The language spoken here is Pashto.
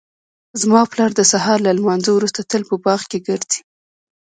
زما پلار د سهار له لمانځه وروسته تل په باغ کې ګرځي